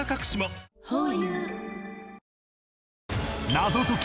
『謎解き！